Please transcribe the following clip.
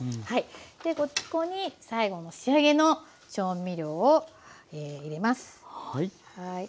でここに最後の仕上げの調味料を入れます。